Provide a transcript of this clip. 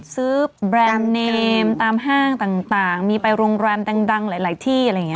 แบรนด์เนมตามห้างต่างมีไปโรงแรมดังหลายที่อะไรอย่างนี้